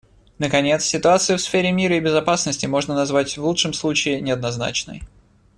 Наконец, ситуацию в сфере мира и безопасности можно назвать, в лучшем случае, неоднозначной.